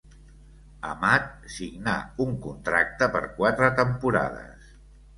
Amat signà un contracte per quatre temporades.